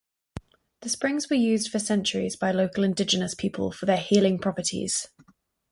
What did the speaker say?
The springs were used for centuries by local indigenous people for their healing properties.